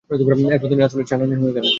এমনকি তিনি রাসূলের ছায়ার ন্যায় হয়ে গেলেন।